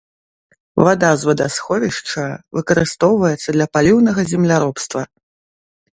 Вада з вадасховішча выкарыстоўваецца для паліўнага земляробства.